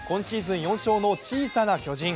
今シーズン４勝の小さな巨人。